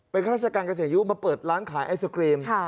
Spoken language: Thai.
เป็นราชการเกษียณอายุมาเปิดร้านขายไอศกรีมค่ะ